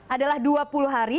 adalah dua puluh hari